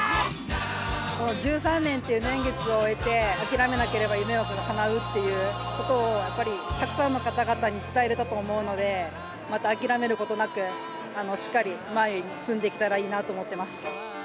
この１３年っていう年月を終えて、諦めなければ夢はかなうっていうことを、やっぱりたくさんの方々に伝えれたと思うので、また諦めることなく、しっかり前に進んでいけたらいいなと思います。